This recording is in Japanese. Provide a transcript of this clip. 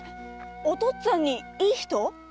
お父っつぁんに“いい人”⁉